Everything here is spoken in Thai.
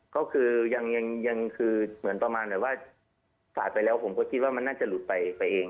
ก็คือยังคือเหมือนประมาณแบบว่าสาดไปแล้วผมก็คิดว่ามันน่าจะหลุดไปเอง